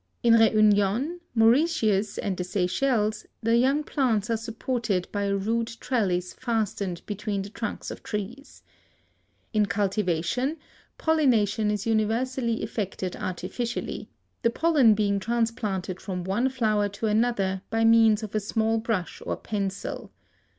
In Reunion, Mauritius and the Seychelles the young plants are supported by a rude trellis fastened between the trunks of trees. In cultivation pollination is universally effected artificially; the pollen being transplanted from one flower to another by means of a small brush or pencil.